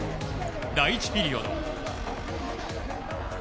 第１ピリオド。